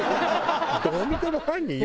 どう見ても犯人よ